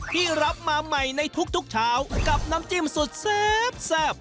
ที่รับมาใหม่ในทุกเช้ากับน้ำจิ้มสุดแซ่บ